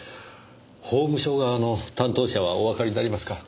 法務省側の担当者はおわかりになりますか？